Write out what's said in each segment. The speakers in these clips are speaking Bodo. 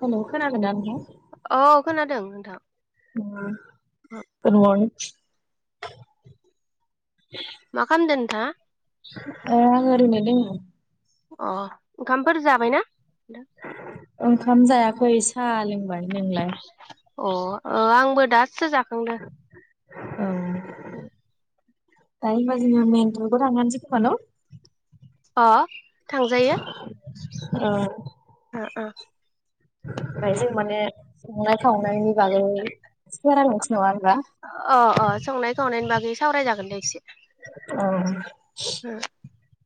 हेल' खोनादोंना नोंथां औ खोनादों नोंथां [unintelligible] मा खामदों नोंथाङा? ओ आं ओरैनो दोङो अ ओंखामफोर जाबायना ओंखाम जायाखै एस सा लों अ ओ आंबो दाससो जाखांदो। औ ओ दायो होनबा जोंङो मेन टपिकयाव थांखानोसै खोम न'? अ थांजायो औ ओ ओ ओमफ्राय जों माने संनाय खावनायनि बागै [inaudible] नङा होनबा? सावराय जागोन दे एसे। औ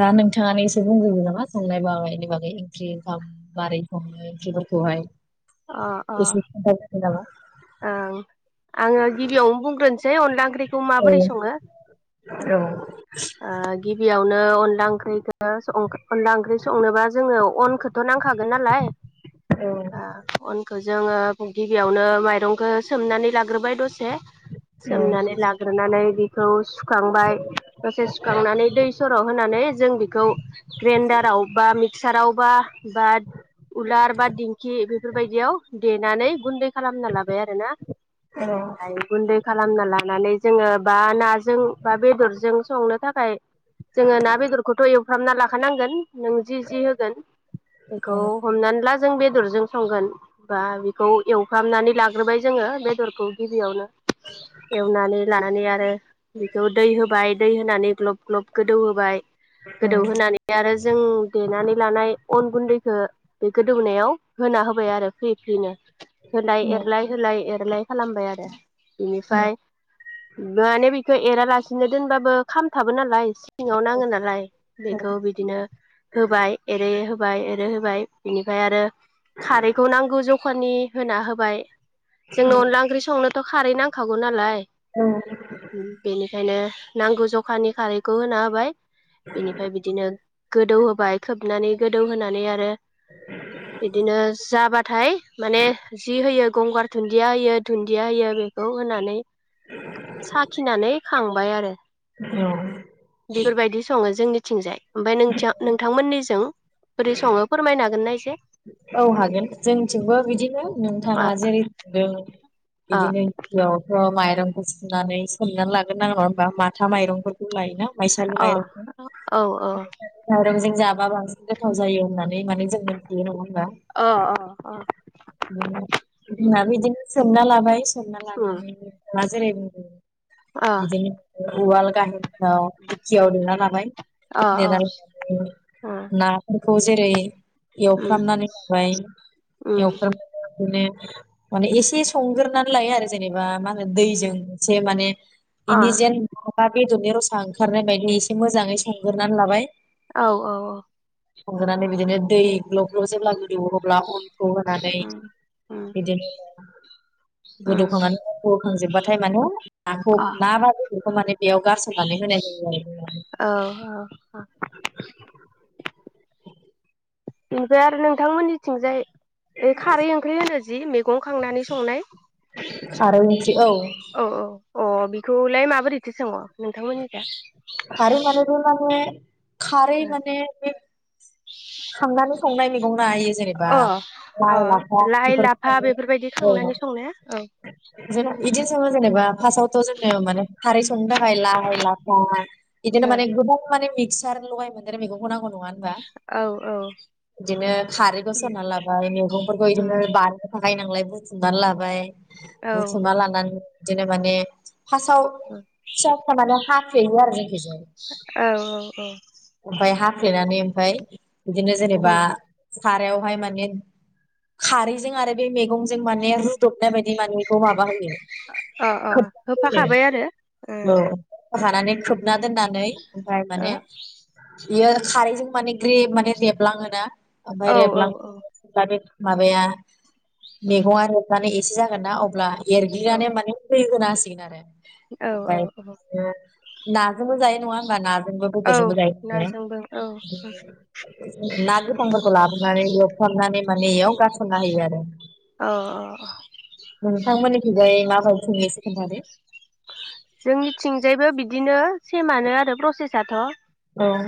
दा नोंथाङानो एसे बुंजोबो नामा संनाय बानायनि बागै ओंख्रि ओंखाम मारै सङो ओंख्रिफोरखौहाय? अ अ एसे खोन्थाग्रोदो नामा? ओं आङो गिबियावनो बुंग्रोनोसै अनला ओंख्रिखौ औ माबोरै सङो ओ औ गिबियावनो अन ला ओंख्रिखो संखो अनला ओंख्रि संनोबा जोङो अनखौथ' नांखागोन नालाय। औ ओ खौ जोङो गिबियावनो माइरंखौ सोमनानै लाग्रोबाय दसे सोमनानै औ लाग्रोनानै बेखौ सुखांबाय दसे सुखांनानै दै सर' होनानै जों बेखौ ग्रेन्डाराव बा मिकसा मिकसारावबा बा उलार बा दिंखि बे बेफोरबायदियाव देनानै गुन्दै खालामना लाबाय आरोना औ ओमफ्राय गुन्दै खालामना ला नानै जोङो बा नाजों बा बेदरजों संनो थाखाय जोङो ना बेदरखौथ' एव खालामना लाखानांगोन नों जि जि होगोन बेखौ हमनानै ला बेजों बेदरजों संगोन बा बेखौ एवहामनानै लाग्रोबाय जोङो बेदरखौ गिबियावनो एवनानै लानानै आरो [unintelligible] बिखौ दै होबाय दै होनानै ग्लब ग्लब गोदौहोबाय औ गोदौहोनानै आरो जों देनानै लानाय अन गुन्दैखौ बे गोदौनायाव होना होबाय आरो फ्रि फ्रिनो होलाय एरलाय होलाय एर लाय खालामबाय आरो बिनिफाय माने बेखो एरालासिनो दोनबाबो खामथाबो नालाय सिङाव नाङो नालाय बेखौ बिदिनो होबाय एरै होब बाय ओरो होबाय बेनिफाय आरो खारैखौ नांगौ जखानि होना होबाय औ जोंनो अनला ओंख्रि संनो थ' खारै नांखागौ नालाय औ खायनो नांगौ जखानि खारैखौ होना होबाय बिनिफाय बिदिनो गोदौ होबाय खोबनानै गोदौहोनानै आरो [inaudible] दिनो जाबाथाय माने जि होयो गंगार दुन्दिया होयो दुन्दिया होयो बेखौ होनानै साखिनानै खांबाय आरो औ बेफोरबायदि सङो जोंनि थिंजाय ओमफाय नोंदिया नोंथांमोननिजों बोरै सङो फोरमायनो हागोन ना इ से औ हागोन जोंथिंबो बिदिनो अ नोंथाङा जेरै बुंदों अ बिदिनो गिबियालथ' माइरं माइरंखौ सुनानै सोमनानै लागोन ना नङा होनबा माथा माइरंफोरखौ लाय ना माइसालि अ माइरंखौ औ औ माइरंजों जाबा बांसिन गोथाव जायो होननानै माने जों मोनथियो नङा [unintelligible] उम अ उम जोंनाबो बिदिनो सोमना लाबाय सोमना लानानै जेरै बुंदो अ बिदि उवाल [unintelligible] अ अ [unintelligible] खौ जेरै [unintelligible] उम मनानै हाय उम एवफ्र [inaudible] बिदिनो [unintelligible] माने एसे संग्रोनानै लायो आरो जेनेबा मा होनो दैजों एसे माने अ इनि जेन माबा [unintelligible] एनजरनि रसा ओंखारनाय बायदि एसे मोजाङै संगोरनानै लाबाय औ औ औ संगानै बिदिनो दै ग्लब ग्लब जेब्ला गोदौयो अब्ला अन खौ होनानै उम उम बिदिनो अ गोदौहोनानै जोबबाथाय माने नाखौ औ ना बा बेखौ माने बेयाव गारसननानै होनाय [inaudible] औ बेनिफ्राय आरो नोंथांमोननिथिंजाय खारै ओंख्रि होनो जि मैगं खांनानै संनाय औ [unintelligible] अ बेखौलाय माबोरैथि सङो नोंथांमोननिजा? खारै माने बे माने खारै माने बे संनानै [unintelligible] [unintelligible] होयो जेनेबा अ लाइ अ लाफा [unintelligible] लाइ [unintelligible] लाफा बेफोरबायदि खांनानै संनाया औ जेनेबा फार्टावथ' जोङो माने खारै संनो थाखाय लाइ, लाफा बिदिनो माने गोबां माने सार लगाय मोनदों आरो मैखौ नङा होनबा औ औ बिदिनो खारैखौ सरना लाबाय मैगंफोरखौ उम बिदिनो बानाय बाहायनांलाय बुथुमनानै लाबाय औ बुथुमनानै लानानै दिनो मान फार्स्टाव फिसा फिसा माने हाफ्लेयो आरो जोंखिजों औ औ ओमफ्राय हा देनानै ओमफ्राय बिदिनो जेनेबा उम खारायावहाय माने खारैजों आरो बे मैगंजों माने रुदबनाय बायदि माने माबा होयो अ अ खोब होफाखाबाय आरो ओ होनो औ हानानै खोबना दोननानै ओमफाय माने बियो खारैजों माने जे माने रेबलाङोना ओमफ्राय औ औ रेबलां औ माबाया उम मेगंआ एसे जागोन ना अब्ला एरग्लिनानै माने [unintelligible] सिन आरो औ औ औ ना नाजोंबो जायो नङा होमबा नाजोंबो औ बेदरजोंबो जायो नालाय। नाजोंबो औ ना गोथांफोरखौ लाबोनानै एवफ्रावमनानै माने इयाव गारसनना होयो आरो। अ औ थिंजाय माबायदि सङो एसे खोनथादो। जोंनिथिंजायबो बिदिनो सेमानो आरो प्रसेसाथ' औ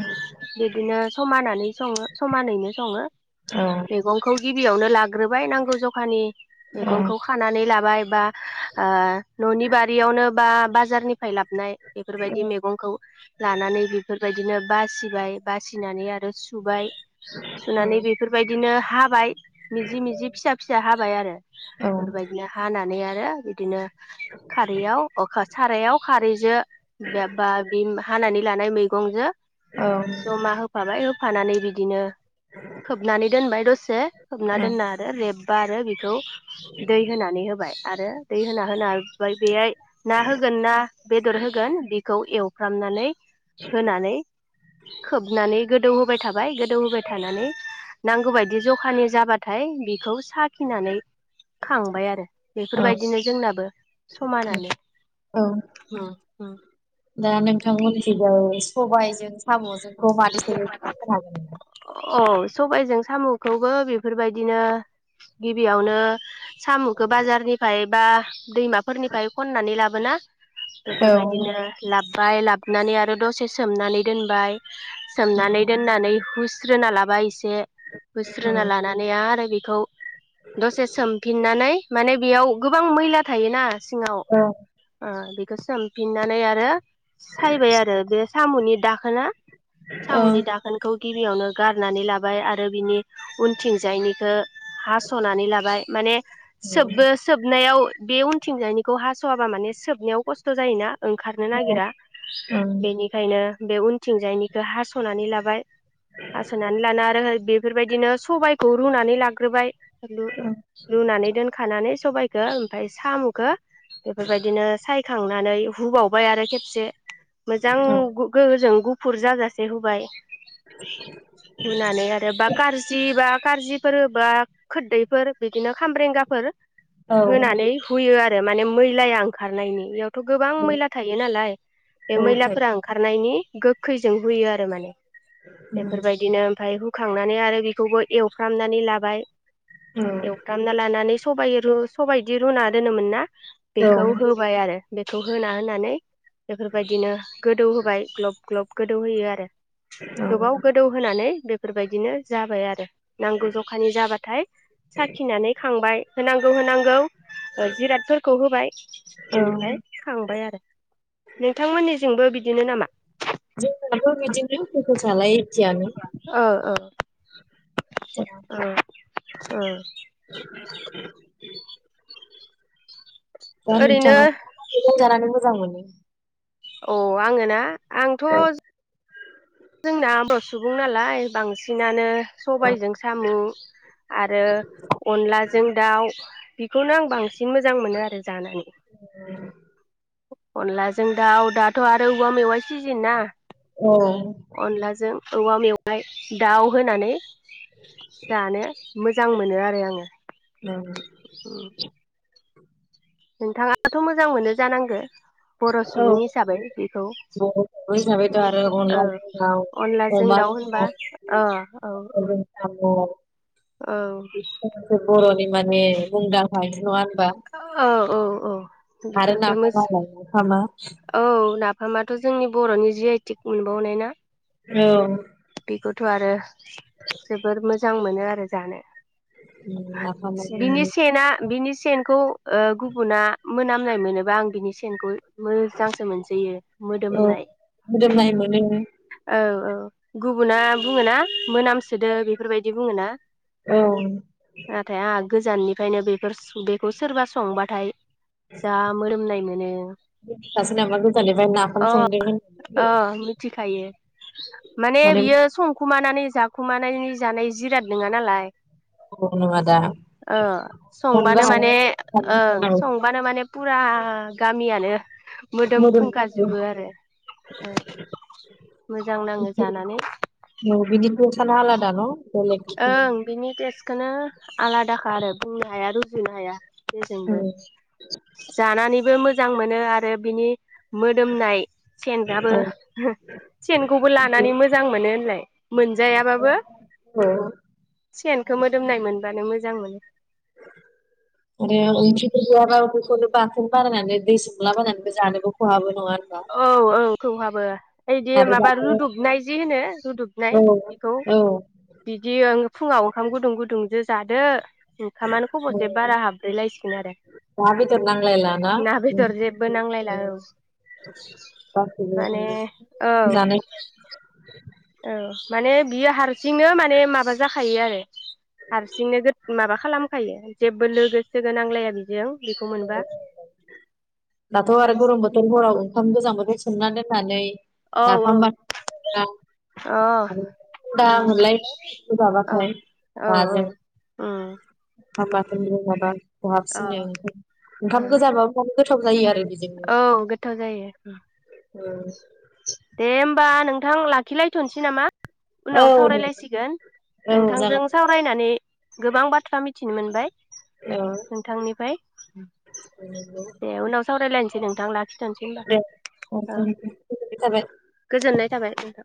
बिदिनो समानानै सङो समानैनो सङो औ मैगंखौ गिबियावनो ला ग्रोबाय नांगौ जखानि मैगंखौ खानानै लाबो बाय बा ओ न'नि बारियावनो बा बाजारनिफ्राय लाबनाय बेफोरबायदि मैगंखौ लानानै बेफोर बिदिनो बासिबाय बासिनानै [unintelligible] सुबाय औ सुनानै बेफोरबायदिनो हाबाय मिजि मिजि फिसा फिसा हाबाय आरो बेफोरबायदिनो हानानै आरो। आरो बिदिनो खारैयाव अखा सारायाव खारैजो बेबा बि मा हानानै लानाय मैगंजो औ ज'मा होफाबाय हो फानानै बिदिनो खोबनानै दोनबाय दसे खोबना दोनना आरो रेब बा आरो बेखौ दै होनानै होबाय आरो दै होना होना बाय बेयाय ना होगोन ना बेदर होगोन बिखौ एवफ्रामनानै होनानै खोबनानै गोदौ होबाय थाबाय गोदौ होबाय थानानै नांगौबायायदि जखानि जाबाथाय बेखौ साखिनानै खांबाय आरो औ बेफोरबायदिनो जोंनाबो समानानो औ उम हम दा नोंथांमोनथिजाय सबाइजों साम'जों खौ मादि सोयो बेखौ [unintelligible] हागोन नामा औ सबायजों साम'खौबो बेफोरबायदिनो गिबियावनो साम'खौ बाजारनिफ्राय बा दैमाफोरनिफ्राय खननानै लाबोना हागोन नामा? बेफोरबायदिनो लाब बाय लाबनानै आरो दसे सोमनानै दोनबाय सोमनानै दोननानै हुस स्रोना लाबाय इस से बोस्रोना लानानै आरो बि खौ दसे सोमफिननानै माने बेयाव गोबां मैला थायोना सिङाव औ ओ बेखौ सोमफिननानै आरो सायबाय आरो बे साम'नि दाखोना औ हायो सामुनि दाखोनखौ गिबियावनो गारनानै लाबाय आरो बिनि उनथिंजायनिखो हास'नानै लाबाय माने सोबबो सोबनायाव बे उनथिंजायनि खौ हास सआबा माने सोबनायाव खस्थ' जायोना ओंखारनो नागिरा बेनिखायनो बे उन थिंजायनिखौ हास'नानै लाबाय हासनानै लाना आरो बि बेफोरबायदिनो सबायखौ रुनानै लाग्रोबाय लु-लुनानै दोनखानानै सबायखौ ओमफ्राय साम'खौ बेफोरबायदिनो साय थांनानै हुबावबाय आरो खेबसे मोजां गु गोरोजों गु फुरजाजासे होबाय हुनानै आरो बा कारजिबा खारजिफोर बा खोरदैफोर बिदिनो खामब्रेंगाफोर होनानै हुयो आरो माने मैलाया ओंखारनायनि बेयाव थ' गोबां मैला थायो नालाय बे औ मैलाफोरा ओंखारनायनि गोखैजों हुयो आरो माने बेफोरबायदिनो ओमफ्राय हु हुखांनानै आरो बेखौबो एवफ्रामनानै लाबाय एवफ्रामना लानानै सबाइ रु सबायदि रुना दोनोमोन ना बेखौ होबाय आरो बेखौ होना होनानै बेफोरबायदिनो गोदौ होबाय ग्लब ग्लब गोदौहोयो आरो गोबाव गोदौ होनानै बे बेफोरबायदिनो जाबाय आरो नांगौ ज'खानि जाबाथाय साखिनानै खांबाय होनांगौ होनांगौ जिरादफोरखौ होबाय औ बिनिफ्राय खांबाय आरो नोंथांमोननिजोंबो बिदि बिदिनो नामा जोंनाबो बिदिनो [unintelligible] उम उम अ ओरैनो नोंथाङा मा मा मैगं जानानै मोजां मोनो? [inaudible] औ आङो ना आंथ' जोंनाबो सुबुं नालाय बांसिनानो सबायजों साम' आरो अनलाजों दाउ बेखौनो आं बांसिन मोजां मोनो आरो जानानै अनदलाजों दाउ दाथ' आरो औवा मेवाय सिजेनना अनलाजों औवा मेवाय दाउ होनानै जानो मोजां मोजां मोनो आरो आङो औ नोंथाङाथ' मोजां मोनो जानांगो? बर' औ सुबुं हिसाबै बेखौ बर' हिसाबैथ' आरो औ अनलाजों दाउ अनलाजों दाउ होनबा अमाजों औ औ औ बि बर'नि माने मुंदांखा बायदि नङा औ औ औ आरो बेफोरखौ मोज नाफामालाय नाफामा औ ना ओमाथ' जोंनि बर'नि जि आइटिक मोनबावनाय ना औ बेखौथ' आरो जोबोर मोजां मोनो आरो जानो। उम नाफामाबो बिनि माने सेना बिनि से सेनखौ ओ गुबुना मोनामनाय मोनोबा आं बिनि सेनखौ मोजांसो मोनसोयो औ मोदोमनाय मोदोमनाय मोनो औ औ औ गुबुना बुङोना मोनामसोदो बेफोरबायदि बुङोना औ नाथाय आंहा गोजाननिफ्रायनो बेफोर बेखौ सोरबा संबाथाय जा मोदोमनाय मोनो सासे नामा गोजाननिफ्राय नाफाम अ संदों होननानै अ मिथिखायो माने बियो समखौ मानानै जाखुमानाय जानाय जिराद नङा नालाय मोदोमनाय नङा दा अ जानोबो संबानो माने हाया ओं औ संबानो माने फुरा गामियानो मोदोम फुंखाजोबो आरो ओ मोजां नाङो जानानै औ बिनि तेसानो आलादा न' बेलेग रोखोमनि ओं बिनि तेस खौनो आलादाखा आरो बुंनो हाया रुजुनो हाया जोंबो जानानैबो मो मोजां मोनो आरो बिनि मोदोमनाय सेनबाबो औ सेनखौबो लानानै मोजां मोनो होनलाय मोनजायाबाबो औ औ सेनखौ मोदोमनाय मोनबानो मोजां मोनो। रे ओंख्रिफोर गैया बाबो [unintelligible] बाथोन बारायनानै दै सोमलाबायनानैबो जानोबो खहाबो नङा होनबा औ औ खौहाबो ओदि आरो माबा दाथ' औ रुदुबनाय जि होनो रुदुबनाय बेखौ औ बिदि फुङाव ओंखाम गुदुं गुदुंजो जादो ओंखामानो औ खबसे बारा हाबब्रैलायसिगोन आरो ना बेदर नांलायला ना बेदर जेबो नांलायला औ गासैबो माने नंगौ औ जानाय [inaudible] औ माने बियो हारसिंनो माने माबा जाखायो आरो हारसिंनो माबा खालामखायो जेबो लोगो सोगो नांलाया बिजों बेखौ मोनबा दाथ' आरो गरम बोथोर हराव ओंखाम गोजांफोरखो सोमनानै दोन नानै औ औ अ दा मोनलाय ओम माबाथाय उ औ औ होमबाथाय मोजां जागोन अ खहाबफनो ओंखाम गोजाबाबो माने गोथाव गोथाव जायो आरो बेजोंनो औ गोथाव जायो उम ओं बा नोंथां लाखिलायथ'नोसै नामा? औ उनाव दे सावरायलायसिगोन औ नोंथांजों जागोन सावरायनानै गोबां बाथ्रा मिथिनो मोन बाय दे औ नोंथांनिफ्राय दे उनाव सावरायलायनोसै नोंथां लाखिथ'सै होनबा दे ओ नोंथां गोजोननाय थाबाय गोजोननाय थाबाय नोंथां